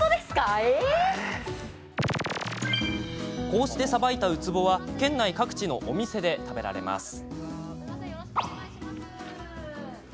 こうして、さばいたウツボは県内各地のお店で食べられます。